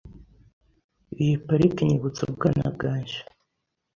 Iyi parike inyibutsa ubwana bwanjye .